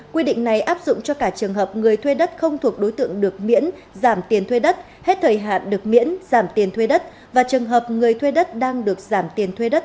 quy định này áp dụng cho cả trường hợp người thuê đất không thuộc đối tượng được miễn giảm tiền thuê đất hết thời hạn được miễn giảm tiền thuê đất và trường hợp người thuê đất đang được giảm tiền thuê đất